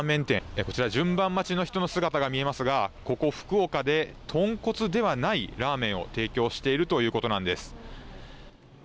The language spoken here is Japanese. こちら、順番待ちの人の姿が見えますが、ここ、福岡で、豚骨ではないラーメンを提供しているということなんです。